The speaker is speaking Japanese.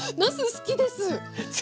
好きです。